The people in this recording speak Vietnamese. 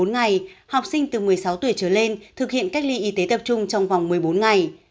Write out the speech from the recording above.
bốn ngày học sinh từ một mươi sáu tuổi trở lên thực hiện cách ly y tế tập trung trong vòng một mươi bốn ngày